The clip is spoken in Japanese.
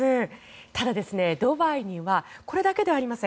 ただ、ドバイにはこれだけではありません。